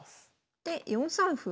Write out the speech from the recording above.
で４三歩。